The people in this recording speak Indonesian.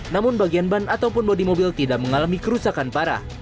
namun bagian ban ataupun bodi mobil tidak mengalami kerusakan parah